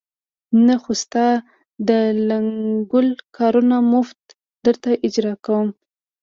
نه، خو ستا د لنګول کارونه مفت درته اجرا کوم.